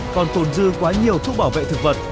còn tồn dư quá nhiều thuốc bảo vệ thực vật